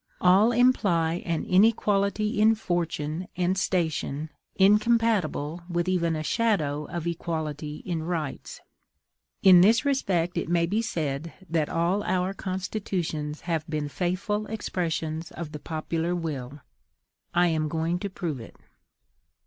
All imply an inequality in fortune and station incompatible with even a shadow of equality in rights. In this respect it may be said that all our constitutions have been faithful expressions of the popular will: I am going, to prove it.